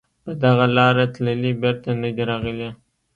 په دغه لاره تللي بېرته نه دي راغلي